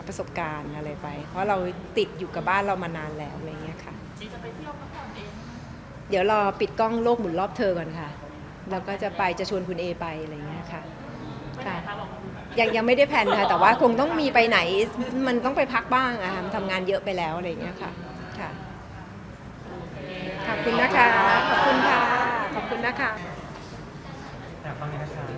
อะไรไปเพราะเราติดอยู่กับบ้านเรามานานแล้วอะไรอย่างเงี้ยค่ะเดี๋ยวรอปิดกล้องโลกหมุนรอบเธอก่อนค่ะแล้วก็จะไปจะชวนคุณเอไปอะไรอย่างเงี้ยค่ะค่ะยังยังไม่ได้แพลนค่ะแต่ว่าคงต้องมีไปไหนมันต้องไปพักบ้างนะคะมันทำงานเยอะไปแล้วอะไรอย่างเงี้ยค่ะค่ะขอบคุณนะคะขอบคุณค่ะขอบคุณนะคะ